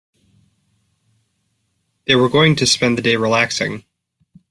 They were going to spend the day relaxing.